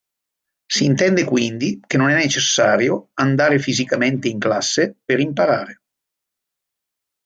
Si intende quindi che non è necessario andare fisicamente in classe per imparare.